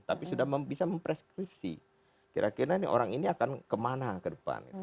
tapi sudah bisa mempreskripsi kira kira orang ini akan kemana ke depan